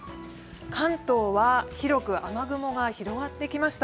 関東は広く雨雲が広がってきました。